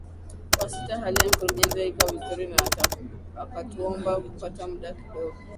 wa sita hali ya mkurugenzi haikuwa vizuri na akatuomba kupata muda kidogo